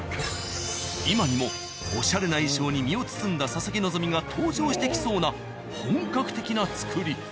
今にもオシャレな衣装に身を包んだ佐々木希が登場してきそうな本格的な造り。